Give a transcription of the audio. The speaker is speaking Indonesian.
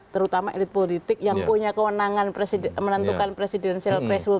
terutama elit politik yang punya kewenangan menentukan presidensial threshold